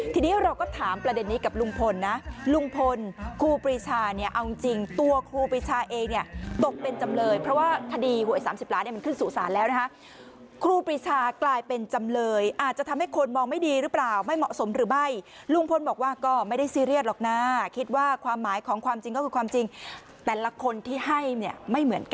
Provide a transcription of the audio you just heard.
ทีนี้เราก็ถามประเด็นนี้กับลุงพลนะลุงพลครูปรีชาเนี่ยเอาจริงตัวครูปรีชาเองเนี่ยตกเป็นจำเลยเพราะว่าคดีหวย๓๐ล้านเนี่ยมันขึ้นสู่ศาลแล้วนะคะครูปรีชากลายเป็นจำเลยอาจจะทำให้คนมองไม่ดีหรือเปล่าไม่เหมาะสมหรือไม่ลุงพลบอกว่าก็ไม่ได้ซีเรียสหรอกนะคิดว่าความหมายของความจริงก็คือความจริงแต่ละคนที่ให้เนี่ยไม่เหมือนกัน